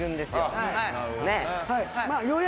はい。